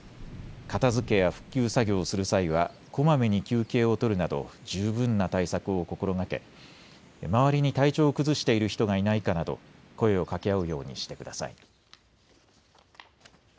片づけや復旧作業をする際はこまめに休憩を取るなど十分な対策を心がけ周りに体調を崩している人がいないかなど声をかけ合うようにしてください。